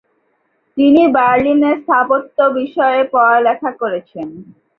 তিনি বার্লিনে স্থাপত্য বিষয়ে পড়ালেখা করেছেন।